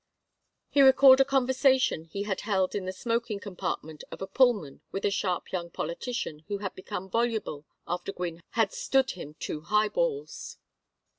He recalled a conversation he had held in the smoking compartment of a Pullman with a sharp young politician, who had become voluble after Gwynne had "stood him" two high balls.